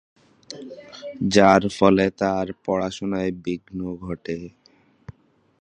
যার ফলে তাঁর পড়াশোনায় বিঘ্ন ঘটে।